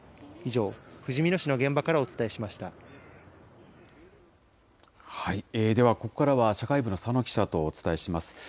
以上、ふじみ野市の現場からお伝では、ここからは社会部の佐野記者とお伝えします。